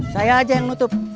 saya aja yang nutup